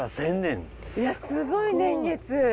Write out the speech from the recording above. すごい年月。